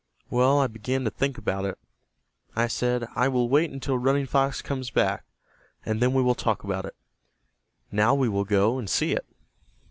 Well, I began to think about it. I said, 'I will wait until Running Fox comes back, and then we will talk about it.' Now we will go and see it."